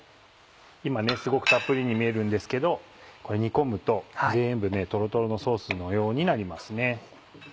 今すごくたっぷりに見えるんですけど煮込むと全部とろとろのソースのようになりますね。